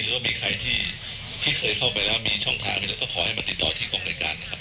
หรือว่ามีใครที่เคยเข้าไปแล้วมีช่องทางก็ขอให้มาติดต่อที่กองรายการนะครับ